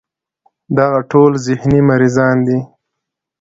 دغه ټول ذهني مريضان دي